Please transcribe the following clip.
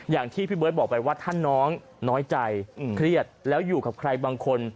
อย่างที่พี่เบิร์ตบอกไปว่าถ้าน้องน้อยใจเครียดแล้วอยู่กับใครบางคน